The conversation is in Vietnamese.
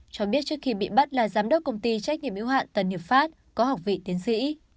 cho biết trước khi bị bắt là giám đốc công ty trách nhiệm yếu hạn tần hiệp pháp có học vị tiến sĩ